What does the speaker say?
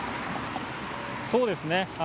そうですね。